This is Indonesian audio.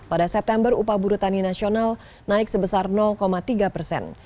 pada september upah buruh tani nasional naik sebesar tiga persen